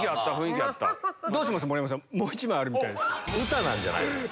歌なんじゃないの？